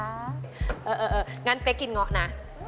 เอองั้นเป๊กกินง็อกนะ